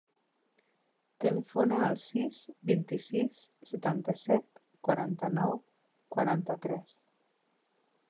Telefona al sis, vint-i-sis, setanta-set, quaranta-nou, quaranta-tres.